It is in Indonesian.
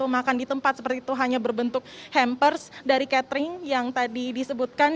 makan di tempat seperti itu hanya berbentuk hampers dari catering yang tadi disebutkan